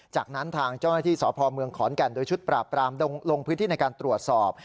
จากนั้นทางเจ้าหน้าที่สพเมืองขอนแก่นโดยชุดปราบปรามลงพื้นที่ในการตรวจสอบ